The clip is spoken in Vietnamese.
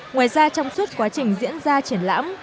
ngoài ra trong suốt quá trình diễn ra triển lãm